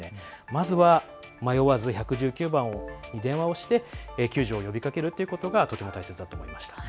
まずは迷わず１１９番を、電話をして救助を呼びかけるということがとても大切だと思いました。